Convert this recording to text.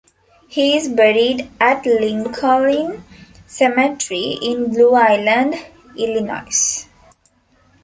He is buried at Lincoln Cemetery in Blue Island, Illinois.